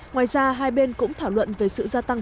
ngoài ra hai bên cũng thảo luận về sự gia tăng